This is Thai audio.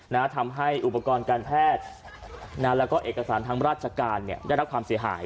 ทำให้อุปกรณ์การแพทย์นะแล้วก็เอกสารทางราชการเนี่ยได้รับความเสียหาย